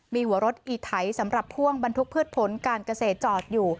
มีหัวรถอีไถสำหรับพ่วงบรรทุกพืชผลการเกษตรจอดอยู่